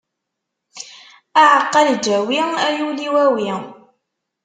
Aɛeqqa n lǧawi, a yul-iw awi!